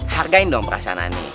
hargain dong perasaan aneh